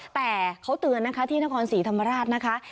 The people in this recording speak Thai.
แต่เขาเตือนนะคะที่นครศรีธรรมราชนะคะ